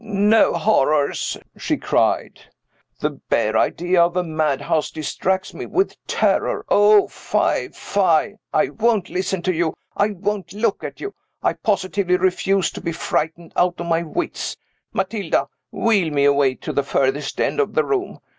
"No horrors!" she cried. "The bare idea of a madhouse distracts me with terror. Oh, fie, fie! I won't listen to you I won't look at you I positively refuse to be frightened out of my wits. Matilda! wheel me away to the furthest end of the room.